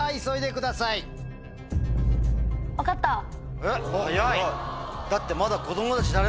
えっ！